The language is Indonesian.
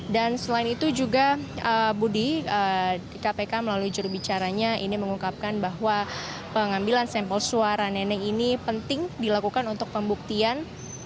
dan selain itu juga budi di kpk melalui jurubicaranya ini mengungkapkan bahwa pengambilan sampel suara nenek ini penting dilakukan untuk pembuktian